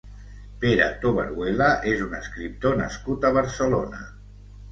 Pere Tobaruela és un escriptor nascut a Barcelona.